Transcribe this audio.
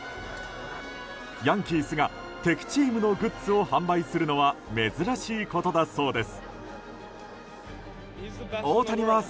ヤンキースが敵チームのグッズを販売するのは珍しいことだそうです。